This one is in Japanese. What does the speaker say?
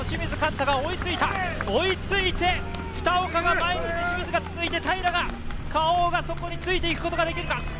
追いついて二岡が前に出て清水が続いて、平が、Ｋａｏがそこについていくことができるか。